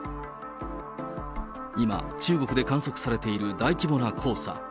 今、中国で観測されている大規模な黄砂。